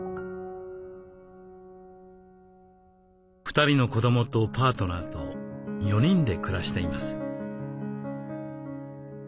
２人の子どもとパートナーと４人で暮らしています。